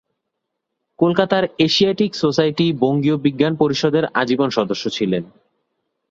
কলকাতার Asiatic Society বঙ্গীয় বিজ্ঞান পরিষদের আজীবন সদস্য ছিলেন।